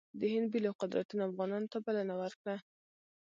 د هند بېلو قدرتونو افغانانو ته بلنه ورکړه.